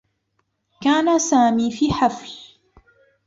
كان سامي في حفل.